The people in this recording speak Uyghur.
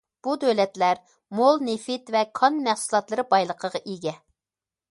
بۇ دۆلەتلەر مول نېفىت ۋە كان مەھسۇلاتلىرى بايلىقىغا ئىگە.